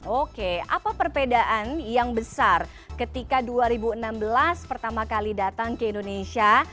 oke apa perbedaan yang besar ketika dua ribu enam belas pertama kali datang ke indonesia